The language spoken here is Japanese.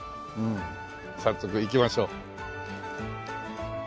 早速行きましょう。